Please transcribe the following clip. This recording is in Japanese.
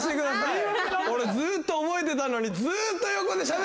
俺ずっと覚えてたのに。